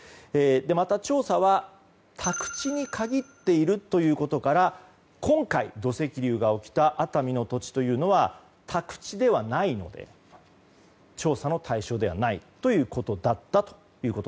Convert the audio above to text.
また、調査は宅地に限っているということから今回、土石流が起きた熱海の土地は宅地ではないので調査の対象ではないということだったと。